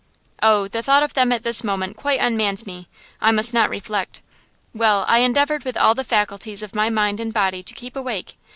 Oh! the thought of them at this moment quite unmans me. I must not reflect. Well, I endeavored with all the faculties of my mind and body to keep awake.